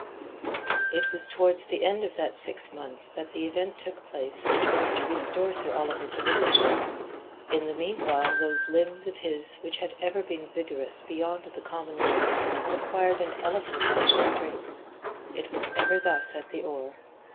It was towards the end of that six months that the event took place which was to restore Sir Oliver to liberty. In the meanwhile those limbs of his which had ever been vigorous beyond the common wont had acquired an elephantine strength. It was ever thus at the oar.